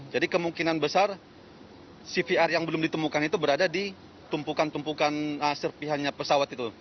jadi kemungkinan besar cvr yang belum ditemukan itu berada di tumpukan tumpukan serpihannya pesawat itu